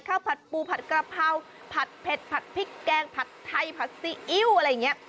ผัดปูผัดกระเพราผัดเผ็ดผัดพริกแกงผัดไทยผัดซีอิ๊วอะไรอย่างนี้